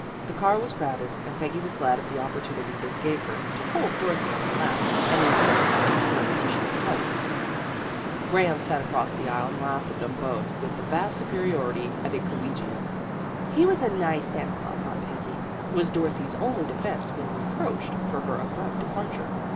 The car was crowded, and Peggy was glad of the opportunity this gave her to hold Dorothy on her lap, and indulge in surreptitious hugs. Graham sat DOROTHY GOES SHOPPING 199 across the aisle and laughed at them both with the vast superiority of a collegian. " He was a nice Santa Glaus, Aunt Peggy," was Dorothy's only defence when reproached for her abrupt departure.